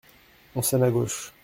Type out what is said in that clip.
On sonne à gauche.